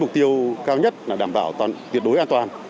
mục tiêu cao nhất là đảm bảo tuyệt đối an toàn